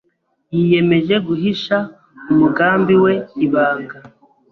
Yiyemeje guhisha umugambi we ibanga.